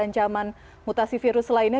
ancaman mutasi virus lainnya